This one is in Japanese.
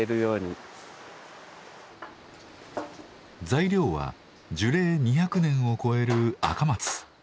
材料は樹齢２００年を超える赤松。